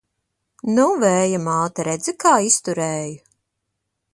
Nu, Vēja māte, redzi, kā izturēju!